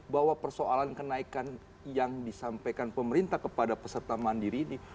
bahwa persoalan kenaikan yang disampaikan pemerintah kepada peserta mandiri ini